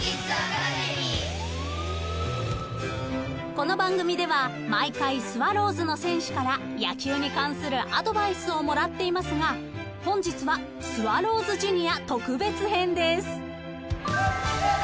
［この番組では毎回スワローズの選手から野球に関するアドバイスをもらっていますが本日はスワローズジュニア特別編です］